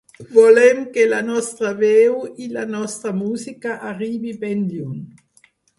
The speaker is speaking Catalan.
Volem que la nostra veu i la nostra música arribi ben lluny.